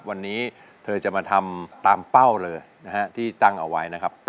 วันนี้เธอจะมาทำตามเป้าเลยนะฮะที่ตั้งเอาไว้นะครับ